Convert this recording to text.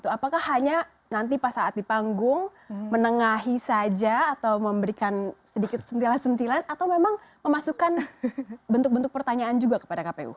apakah hanya nanti pas saat di panggung menengahi saja atau memberikan sedikit sentilan sentilan atau memang memasukkan bentuk bentuk pertanyaan juga kepada kpu